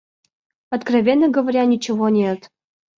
Откровенно говоря, ничего нет.